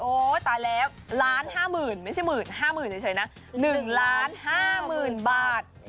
โอตายแล้ว๑๕ล้านไม่ใช่หมื่น๕ล้านเฉยนะ๑๕ล้านบาท